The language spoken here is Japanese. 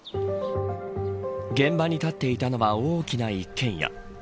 現場に建っていたのは大きな一軒家。